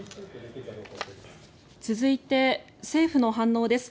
続いて、政府の反応です。